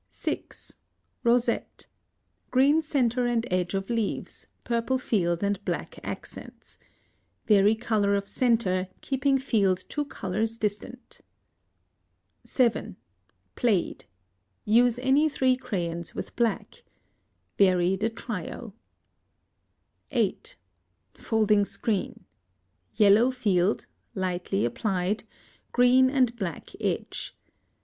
6. Rosette. Green centre and edge of leaves, purple field and black accents. Vary color of centre, keeping field two colors distant. 7. Plaid. Use any three crayons with black. Vary the trio. 8. Folding screen. Yellow field (lightly applied), green and black edge.